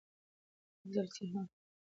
حفظی الصیحه